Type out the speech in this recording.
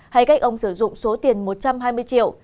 hay cách ông sử dụng số tiền một trăm hai mươi triệu